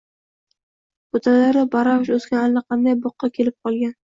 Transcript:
Butalari baravj o’sgan allaqanday boqqa kelib qolgan.